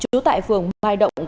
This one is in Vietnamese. trú tại phường mai động